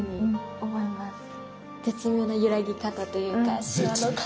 絶妙な揺らぎ方というかしわの感じ。